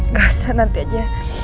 nggak usah nanti aja